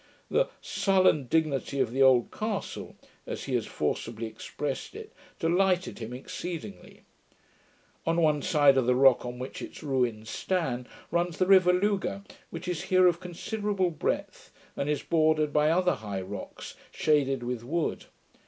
The 'sullen dignity of the old castle', as he has forcibly expressed it, delighted him exceedingly. On one side of the rock on which its ruins stand, runs the river Lugar, which is here of considerable breadth, and is bordered by other high rocks, shaded with wood.